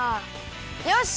よし！